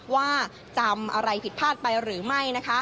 ว่าจำอะไรผิดพลาดไปหรือไม่